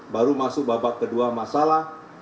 baru masuk babak kedua masalah